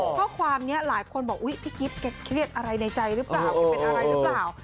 ข้อความนี้หลายคนบอกพี่กิ๊บเครียดอะไรในใจรึเปล่าเป็นอะไรรึเปล่า